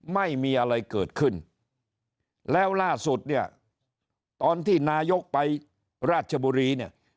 ไม่มีอะไรเกิดขึ้นแล้วล่าสุดเนี่ยตอนที่นายกไปราชบุรีเนี่ย